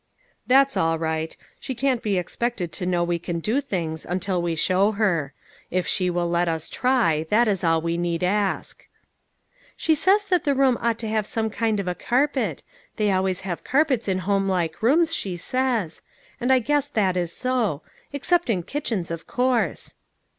"That's all right. She can't be expected to know we can do things until ~we show her. If she will let us try, that is all we need ask." " She says the room ought to have some kind of a carpet ; they always have carpets in home like rooms, she says; and I guess that is so. Except in kitchens, of course."